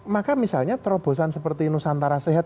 maka misalnya terobosan seperti nusantara sehat